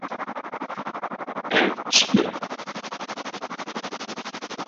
Ev çi ye?